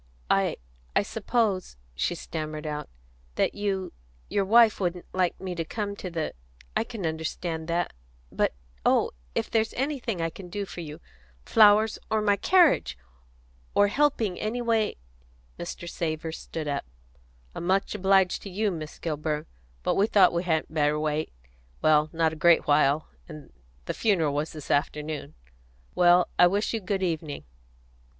"I I suppose," she stammered out, "that you your wife, wouldn't like me to come to the I can understand that; but oh! if there is anything I can do for you flowers or my carriage or helping anyway " Mr. Savor stood up. "I'm much obliged to you, Miss Kilburn; but we thought we hadn't better wait, well not a great while, and the funeral was this afternoon. Well, I wish you good evening."